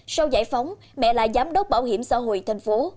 sau giải phóng mẹ là giám đốc bảo hiểm xã hội thành phố